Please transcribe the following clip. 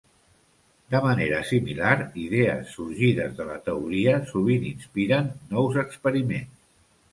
De manera similar, idees sorgides de la teoria sovint inspiren nous experiments.